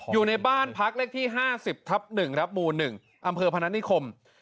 อยู่ในบ้านพักเลขที่๕๐ทับ๑ครับหมู่๑อำเภอพนัฐนิคม